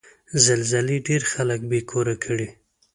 زلزلې ډېر خلک بې کوره کړي.